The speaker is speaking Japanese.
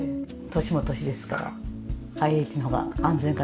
年も年ですからＩＨの方が安全かなと。